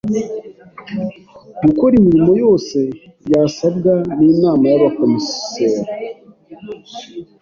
gukora imirimo yose yasabwa n’Inama y’Abakomiseri